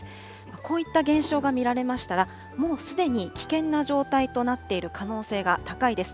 こういった現象が見られましたら、もうすでに危険な状態となっている可能性が高いです。